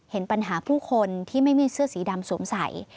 เห็นปัญหาผู้คนที่ไม่มีเสื้อสีดำสวมใส่